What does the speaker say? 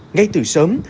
ngay từ sớm